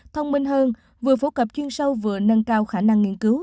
thông minh hơn vừa phổ cập chuyên sâu vừa nâng cao khả năng nghiên cứu